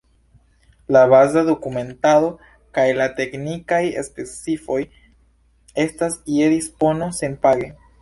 La baza dokumentado kaj la teknikaj specifoj estas je dispono senpage.